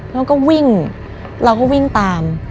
แล้วก็วิ่งเราก็วิ่งตาม